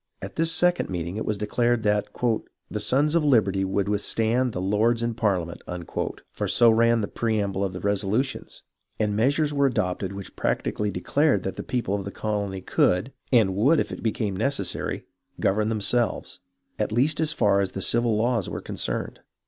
At this second meeting it was declared that the " Sons of Liberty would withstand the Lords in Parliament," for so ran the preamble of the resolutions, and measures were adopted which practically declared that the people of the colony could, and would if it became necessary, govern themselves, at least as far as the civil laws were concerned.